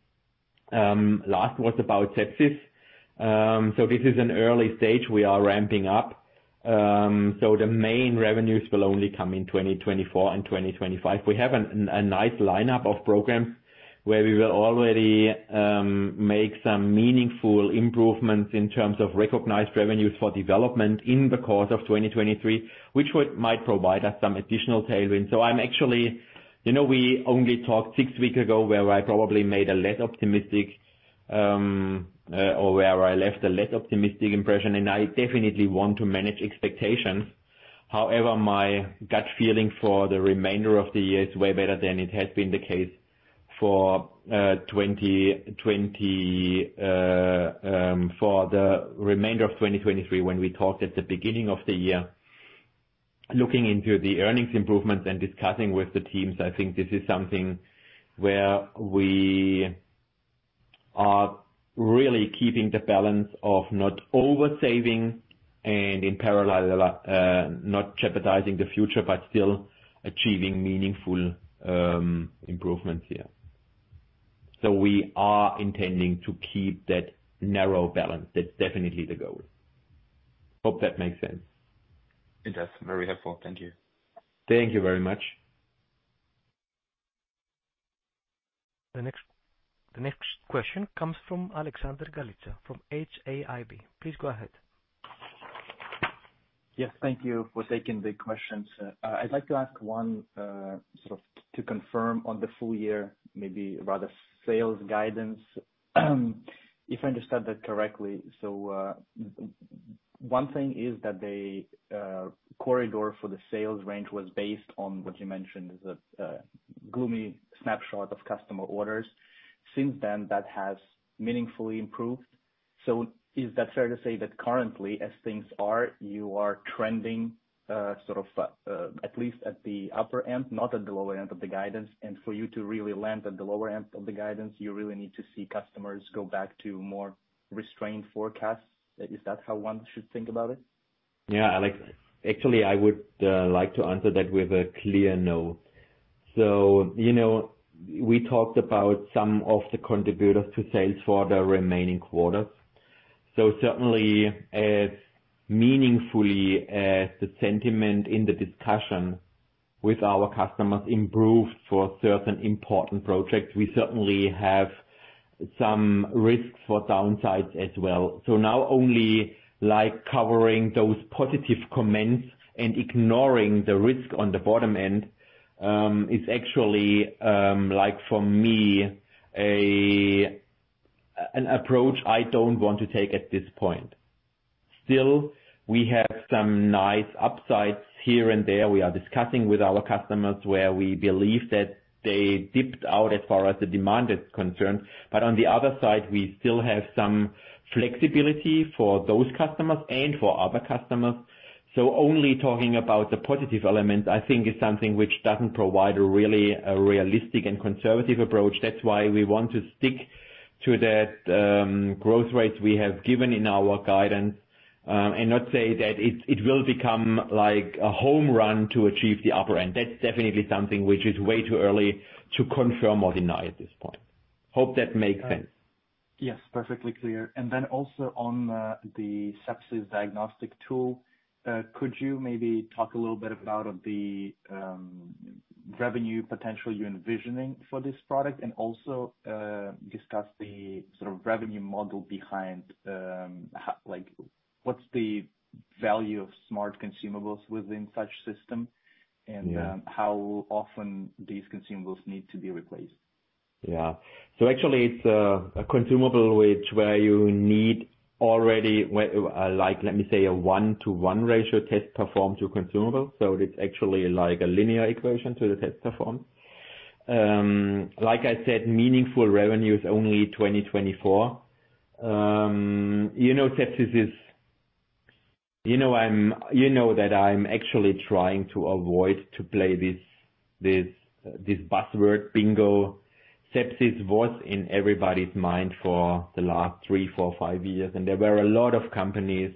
Last was about sepsis. This is an early stage. We are ramping up, the main revenues will only come in 2024 and 2025. We have a nice lineup of programs where we will already make some meaningful improvements in terms of recognized revenues for development in the course of 2023, which might provide us some additional tailwind. I'm actually... You know, we only talked 6 weeks ago, where I probably made a less optimistic or where I left a less optimistic impression, and I definitely want to manage expectations. However, my gut feeling for the remainder of the year is way better than it has been the case for 2020 for the remainder of 2023 when we talked at the beginning of the year. Looking into the earnings improvements and discussing with the teams, I think this is something where we are really keeping the balance of not over-saving and in parallel, not jeopardizing the future, but still achieving meaningful improvements here. We are intending to keep that narrow balance. That's definitely the goal. Hope that makes sense. It does. Very helpful. Thank you. Thank you very much. The next question comes from Alexander Galitsa from HAIB. Please go ahead. Yes, thank you for taking the questions. I'd like to ask 1, sort of to confirm on the full year, maybe rather sales guidance. If I understand that correctly, 1 thing is that the corridor for the sales range was based on what you mentioned, is that gloomy snapshot of customer orders. Since then, that has meaningfully improved. Is that fair to say that currently, as things are, you are trending, sort of at least at the upper end, not at the lower end of the guidance, and for you to really land at the lower end of the guidance, you really need to see customers go back to more restrained forecasts. Is that how 1 should think about it? Yeah, Alex. Actually, I would like to answer that with a clear no. You know, we talked about some of the contributors to sales for the remaining quarters. Certainly, as meaningfully as the sentiment in the discussion with our customers improved for certain important projects, we certainly have some risks for downsides as well. Now only, like, covering those positive comments and ignoring the risk on the bottom end, is actually, like for me, an approach I don't want to take at this point. Still, we have some nice upsides here and there. We are discussing with our customers where we believe that they dipped out as far as the demand is concerned. On the other side, we still have some flexibility for those customers and for other customers. Only talking about the positive elements, I think is something which doesn't provide a really, a realistic and conservative approach. That's why we want to stick to that, growth rates we have given in our guidance, and not say that it will become like a home run to achieve the upper end. That's definitely something which is way too early to confirm or deny at this point. Hope that makes sense. Yes, perfectly clear. Then also on the sepsis diagnostic tool, could you maybe talk a little bit about the revenue potential you're envisioning for this product and also discuss the sort of revenue model behind like what's the value of smart consumables within such system? Yeah. How often these consumables need to be replaced? Yeah. Actually it's a consumable which you need already, like let me say, a 1-to-1 ratio test performed to consumable. It's actually like a linear equation to the test performed. Like I said, meaningful revenue is only 2024. You know, Sepsis is. You know that I'm actually trying to avoid to play this buzzword bingo. Sepsis was in everybody's mind for the last 3, 4, 5 years, and there were a lot of companies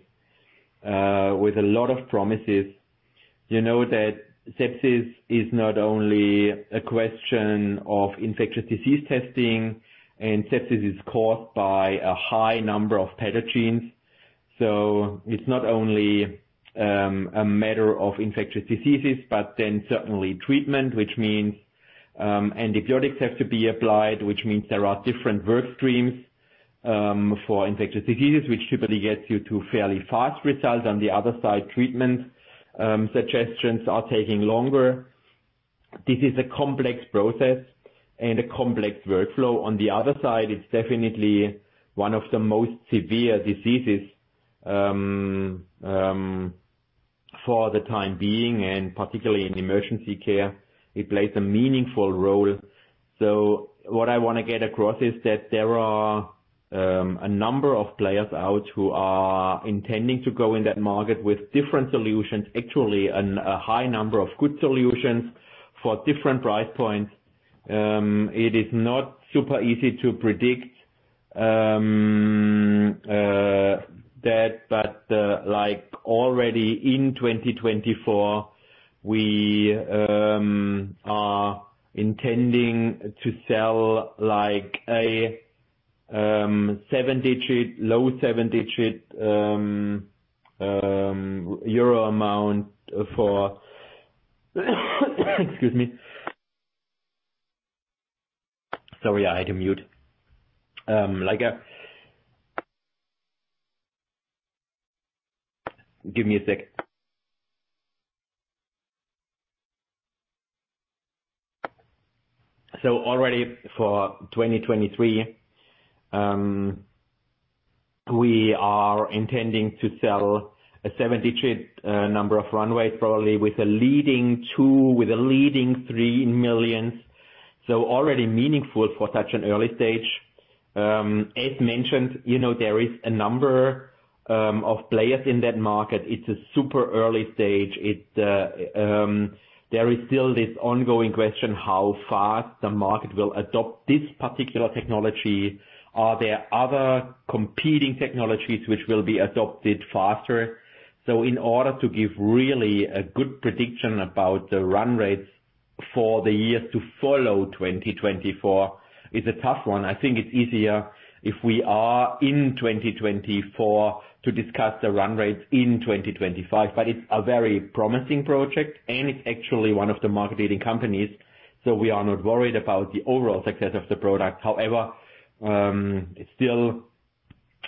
with a lot of promises, you know, that Sepsis is not only a question of infectious disease testing, and Sepsis is caused by a high number of pathogens. It's not only a matter of infectious diseases, certainly treatment, which means antibiotics have to be applied, which means there are different work streams for infectious diseases, which typically gets you to fairly fast results. On the other side, treatment suggestions are taking longer. This is a complex process and a complex workflow. On the other side, it's definitely one of the most severe diseases for the time being, and particularly in emergency care, it plays a meaningful role. What I wanna get across is that there are a number of players out who are intending to go in that market with different solutions. Actually, a high number of good solutions for different price points. It is not super easy to predict that, but like, already in 2024, we are intending to sell, like, a 7-digit, low 7-digit EUR amount for, excuse me. Sorry, I had to mute. Give me a sec. Already for 2023, we are intending to sell a 7-digit number of runways, probably with a leading 2, with a leading 3 million. Already meaningful for such an early stage. As mentioned, you know, there is a number of players in that market. It's a super early stage. It there is still this ongoing question, how fast the market will adopt this particular technology. Are there other competing technologies which will be adopted faster? In order to give really a good prediction about the run rates for the years to follow, 2024 is a tough one. I think it's easier if we are in 2024 to discuss the run rates in 2025. It's a very promising project, and it's actually one of the market-leading companies, so we are not worried about the overall success of the product. However, it's still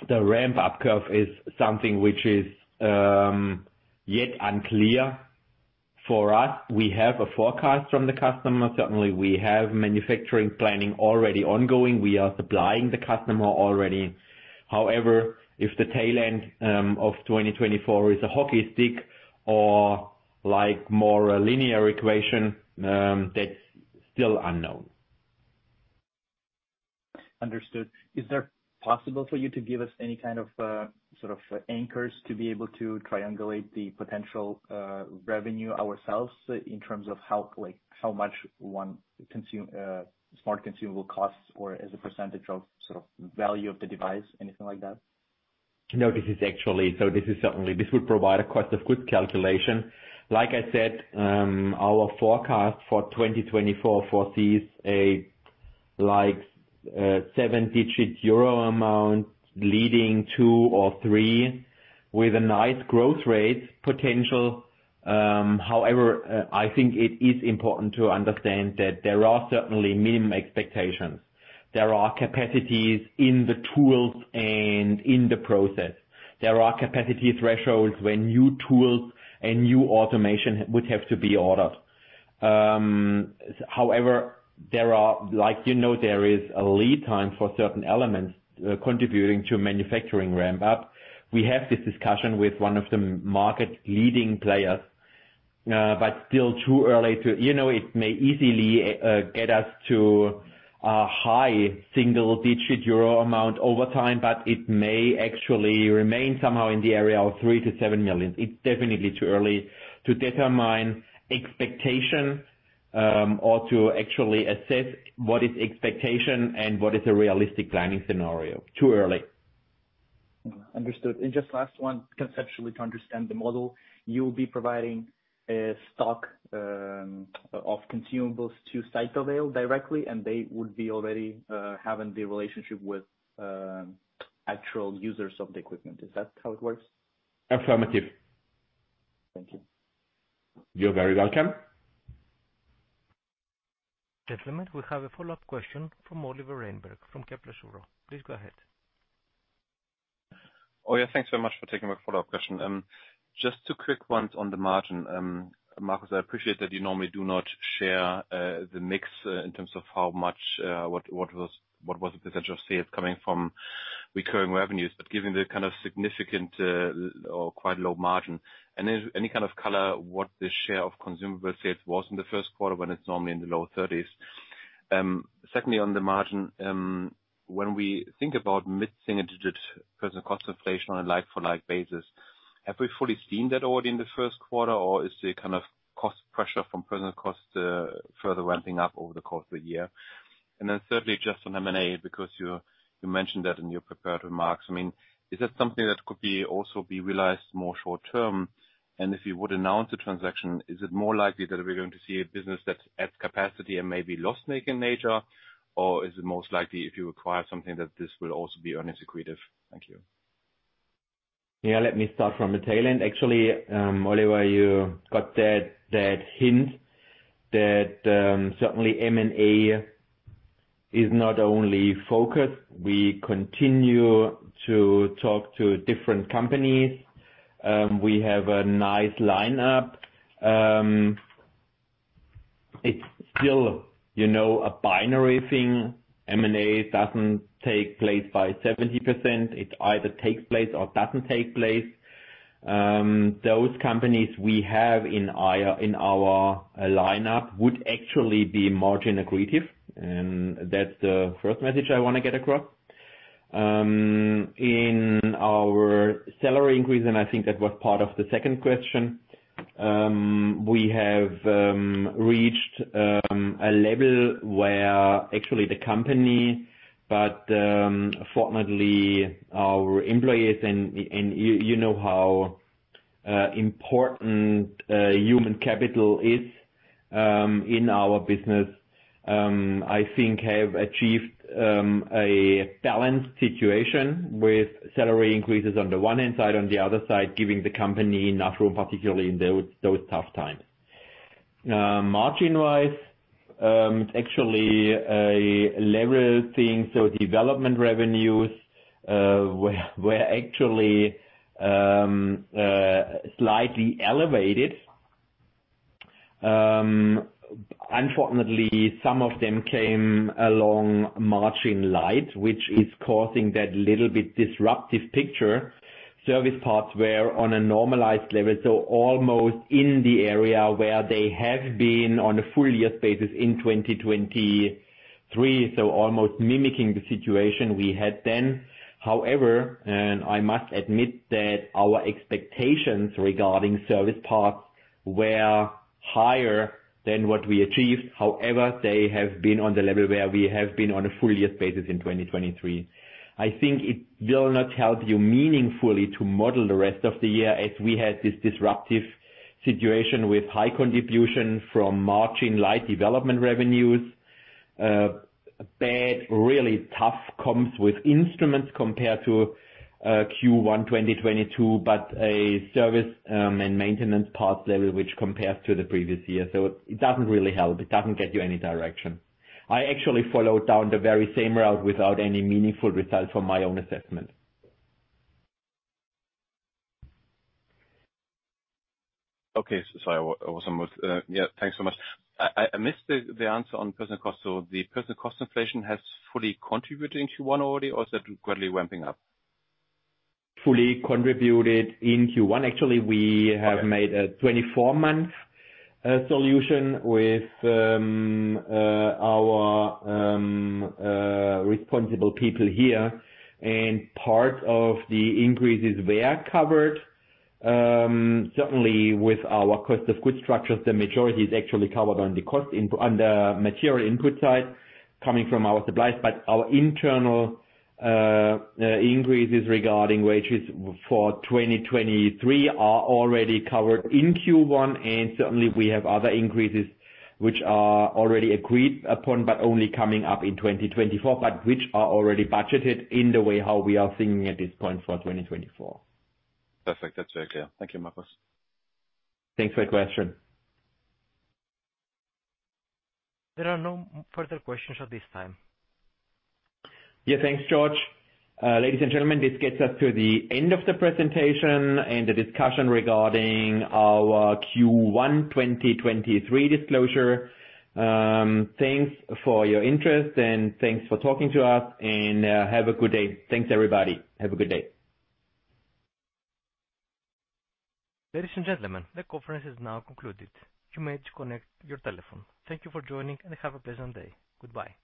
the ramp-up curve is something which is yet unclear for us. We have a forecast from the customer. Certainly we have manufacturing planning already ongoing. We are supplying the customer already. However, if the tail end of 2024 is a hockey stick or, like, more a linear equation, that's still unknown. Understood. Is there possible for you to give us any kind of sort of anchors to be able to triangulate the potential revenue ourselves in terms of how, like, how much 1 smart consumable costs or as a percentage of sort of value of the device? Anything like that? This is actually. This is certainly. This would provide a cost of goods calculation. Like I said, our forecast for 2024 foresees a like 7-digit euro amount leading 2 or 3 with a nice growth rate potential. However, I think it is important to understand that there are certainly minimum expectations. There are capacities in the tools and in the process. There are capacity thresholds when new tools and new automation would have to be ordered. However, there are like, you know, there is a lead time for certain elements contributing to manufacturing ramp up. We have this discussion with one of the market leading players, but still too early to. You know, it may easily get us to a high single-digit EUR amount over time, but it may actually remain somehow in the area of 3 million-7 million. It's definitely too early to determine expectation, or to actually assess what is expectation and what is a realistic planning scenario. Too early. Understood. Just last 1, conceptually, to understand the model, you'll be providing a stock of consumables to Cytovale directly, and they would be already having the relationship with actual users of the equipment. Is that how it works? Affirmative. Thank you. You're very welcome. Gentlemen, we have a follow-up question from Oliver Reinberg from Kepler Cheuvreux. Please go ahead. Oh, yeah, thanks very much for taking my follow-up question. Just 2 quick ones on the margin. Marcus, I appreciate that you normally do not share the mix in terms of how much what was the potential sales coming from recurring revenues. Given the kind of significant or quite low margin, any kind of color what the share of consumable sales was in the Q1 when it's normally in the low 30s%? Secondly, on the margin, when we think about mid-single digit personal cost inflation on a like for like basis, have we fully seen that already in the Q1? Or is the kind of cost pressure from personal costs further ramping up over the course of the year? Thirdly, just on M&A, because you mentioned that in your prepared remarks. I mean, is that something that could also be realized more short term? If you would announce a transaction, is it more likely that we're going to see a business that adds capacity and may be loss-making in nature? Is it most likely if you acquire something that this will also be earnings accretive? Thank you. Yeah. Let me start from the tail end. Actually, Oliver, you got that hint that, certainly M&A is not only focused. We continue to talk to different companies. We have a nice lineup. It's still, you know, a binary thing. M&A doesn't take place by 70%. It either takes place or doesn't take place. Those companies we have in our, in our lineup would actually be margin accretive, and that's the 1st message I wanna get across. In our salary increase, and I think that was part of the 2nd question, we have reached a level where actually the company, but fortunately, our employees and you know how important human capital is in our business, I think have achieved a balanced situation with salary increases on the 1 hand side, on the other side, giving the company enough room, particularly in those tough times. Margin-wise, actually a level thing. Development revenues were actually slightly elevated. Unfortunately, some of them came along margin light, which is causing that little bit disruptive picture. Service parts were on a normalized level, so almost in the area where they have been on a full year basis in 2023, so almost mimicking the situation we had then. I must admit that our expectations regarding service parts were higher than what we achieved. They have been on the level where we have been on a full year basis in 2023. I think it will not help you meaningfully to model the rest of the year as we had this disruptive situation with high contribution from margin light development revenues, bad, really tough comps with instruments compared to Q1 2022, but a service and maintenance parts level which compares to the previous year. It doesn't really help. It doesn't get you any direction. I actually followed down the very same route without any meaningful result from my own assessment. Okay. Sorry, I was almost. Yeah, thanks so much. I missed the answer on personal cost. The personal cost inflation has fully contributed in Q1 already or is that gradually ramping up? Fully contributed in Q1. Actually, we have made a 24-month solution with our responsible people here, and part of the increases were covered. Certainly with our cost of goods structures, the majority is actually covered on the material input side coming from our suppliers. Our internal increases regarding wages for 2023 are already covered in Q1, and certainly we have other increases which are already agreed upon but only coming up in 2024, but which are already budgeted in the way how we are thinking at this point for 2024. Perfect. That's very clear. Thank you, Marcus. Thanks for your question. There are no further questions at this time. Yeah. Thanks, George. Ladies and gentlemen, this gets us to the end of the presentation and the discussion regarding our Q1 2023 disclosure. Thanks for your interest and thanks for talking to us, and have a good day. Thanks, everybody. Have a good day. Ladies and gentlemen, the conference is now concluded. You may disconnect your telephone. Thank you for joining, and have a pleasant day. Goodbye.